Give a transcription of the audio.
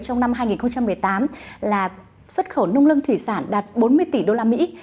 trong năm hai nghìn một mươi tám là xuất khẩu nông lâm thủy sản đạt bốn mươi tỷ đô la mỹ